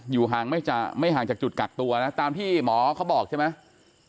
ไม่ห่างจากจุดกักตัวนะตามที่หมอเขาบอกใช่ไหม